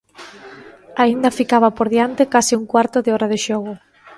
Aínda ficaba por diante case un cuarto de hora de xogo.